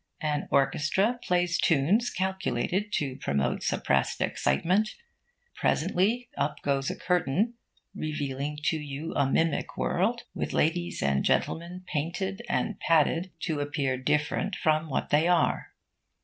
An orchestra plays tunes calculated to promote suppressed excitement. Presently up goes a curtain, revealing to you a mimic world, with ladies and gentlemen painted and padded to appear different from what they are.